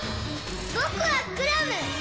ぼくはクラム！